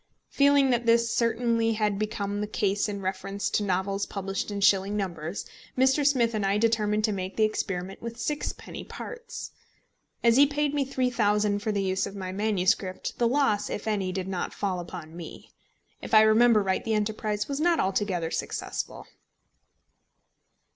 Feeling that this certainly had become the case in reference to novels published in shilling numbers, Mr. Smith and I determined to make the experiment with sixpenny parts. As he paid me £3000 for the use of my MS., the loss, if any, did not fall upon me. If I remember right, the enterprise was not altogether successful.